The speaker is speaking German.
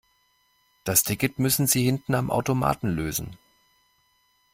Das Ticket müssen Sie hinten am Automaten lösen.